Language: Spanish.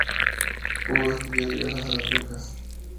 Pudo estudiar gracias a las becas.